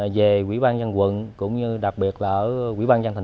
về quỹ ban văn quận cũng như đặc biệt là quỹ ban văn phường thái an